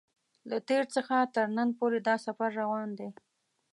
له تېر څخه تر نن پورې دا سفر روان دی.